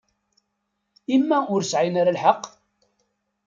I ma ur sεin ara lḥeqq?